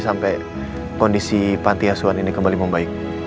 sampai kondisi panti asuhan ini kembali membaik